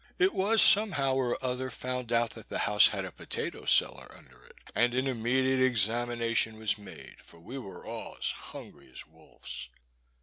It was, somehow or other, found out that the house had a potatoe cellar under it, and an immediate examination was made, for we were all as hungry as wolves.